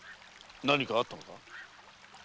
何かあったのか？